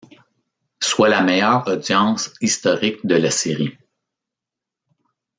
Soit la meilleure audience historique de la série.